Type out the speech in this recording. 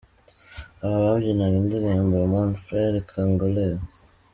Aha babyinaga indirimbo Mon Frere Congolais.